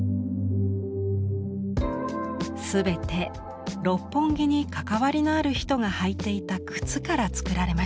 全て六本木に関わりのある人が履いていた靴からつくられました。